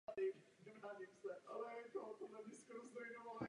Lidé, kteří píší takové věci, systémům kolektivních smluv naprosto nerozumí.